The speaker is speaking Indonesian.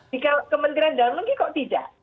jika kementerian keluarga negeri kok tidak